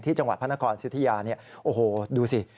ที่จังหวัดพระนครซิวทิยาโอ้โฮดูสิ